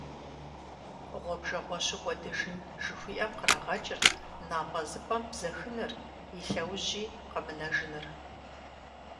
«Гъуэбжэгъуэщу кӀуэдыжын» жыхуиӏэм кърагъэкӏырт напӀэзыпӀэм бзэхыныр, и лъэужьи къэмынэжыныр.